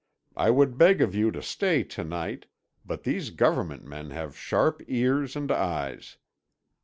I would beg of you to stay to night, but these government men have sharp ears and eyes.